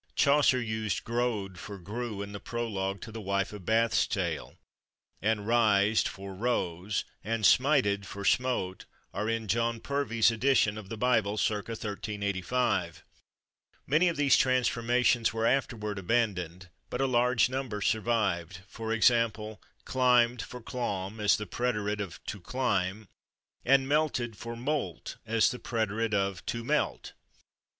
Chaucer used /growed/ for /grew/ in the prologue to "The Wife of Bath's Tale," and /rised/ for /rose/ and /smited/ for /smote/ are in John Purvey's edition of the Bible, /circa/ 1385. Many of these transformations were afterward abandoned, but a large number survived, for example, /climbed/ for /clomb/ as the preterite of /to climb/, and /melted/ for /molt/ as the preterite of /to melt